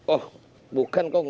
oh bukan kong